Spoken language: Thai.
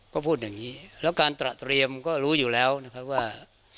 ก็พูดอย่างนี้แล้วการตระเตรียมก็รู้อยู่แล้วนะครับว่า